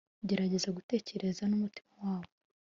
gerageza gutekereza n'umutima wabo